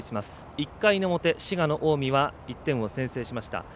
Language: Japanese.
１回の表、滋賀の近江は１点を先制しました。